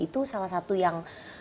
itu salah satu yang